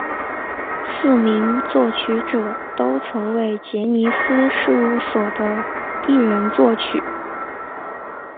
四名作曲者都曾为杰尼斯事务所的艺人作曲。